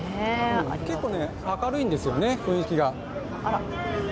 結構、明るいんですよね雰囲気が。